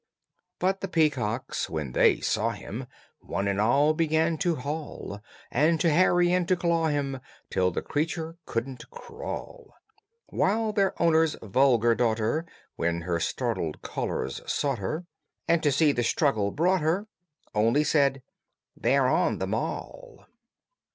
But the peacocks, when they saw him, One and all began to haul, And to harry and to claw him Till the creature couldn't crawl; While their owner's vulgar daughter, When her startled callers sought her, And to see the struggle brought her, Only said, "They're on the maul."